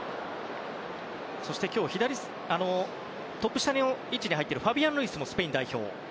そして、今日トップ下の位置に入っているファビアン・ルイスもスペイン代表。